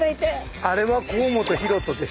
あれは甲本ヒロトです。